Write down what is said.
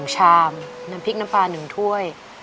ชามน้ำพริกน้ำปลา๑ถ้วย